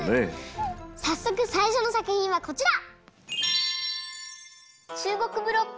さっそくさいしょのさくひんはこちら。